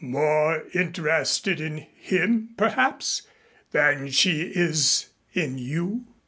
"More interested in him, perhaps, than she is in you?"